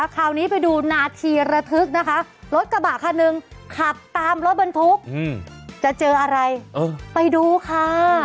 คราวนี้ไปดูนาทีระทึกนะคะรถกระบะคันหนึ่งขับตามรถบรรทุกจะเจออะไรไปดูค่ะ